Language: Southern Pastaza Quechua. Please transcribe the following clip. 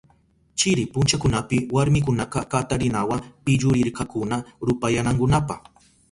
Chiri punchakunapi warmikunaka katarinawa pillurirkakuna rupayanankunapa.